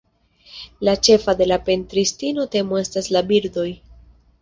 La ĉefa de la pentristino temo estas la birdoj.